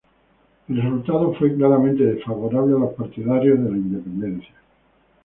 El resultado fue claramente desfavorable a los partidarios de la independencia.